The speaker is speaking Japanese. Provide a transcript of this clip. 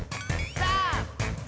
さあ！